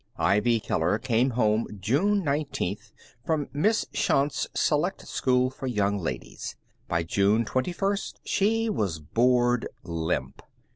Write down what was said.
Ivy Keller came home June nineteenth from Miss Shont's select school for young ladies. By June twenty first she was bored limp.